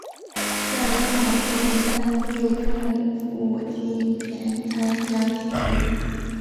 率大湟江一带会众赴金田参加起义。